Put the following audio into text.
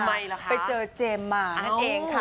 ไปเจอเจมส์มานั่นเองค่ะ